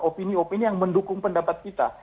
opini opini yang mendukung pendapat kita